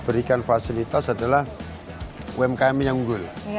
berikan fasilitas adalah umkm yang unggul